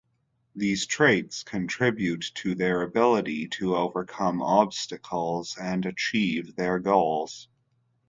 These traits contribute to their ability to overcome obstacles and achieve their goals.